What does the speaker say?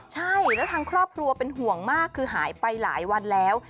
ใช่แล้วทางครอบครัวเป็นห่วงมากคือหายไปหลายวันแล้ว